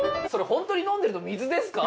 本当に飲んでるの水ですか？